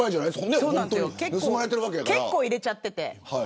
結構、入れちゃってて。